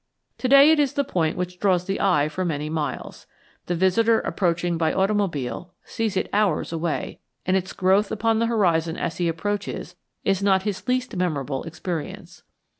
To day it is the point which draws the eye for many miles. The visitor approaching by automobile sees it hours away, and its growth upon the horizon as he approaches is not his least memorable experience.